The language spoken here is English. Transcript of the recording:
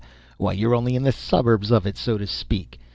Why, you're only in the suburbs of it, so to speak.